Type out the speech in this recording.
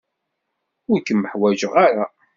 Ur kem-ḥwajeɣ ara.